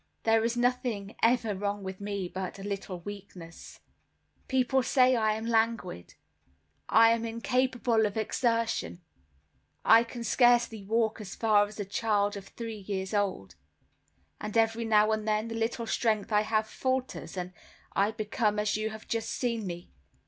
There is nothing ever wrong with me, but a little weakness. People say I am languid; I am incapable of exertion; I can scarcely walk as far as a child of three years old: and every now and then the little strength I have falters, and I become as you have just seen me.